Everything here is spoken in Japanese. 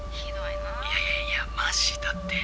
いやいやいやマジだって。